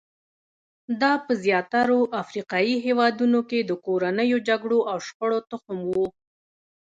دا په زیاترو افریقایي هېوادونو کې د کورنیو جګړو او شخړو تخم وو.